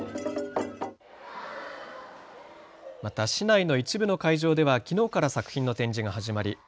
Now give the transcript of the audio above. また市内の一部の会場ではきのうから作品の展示が始まり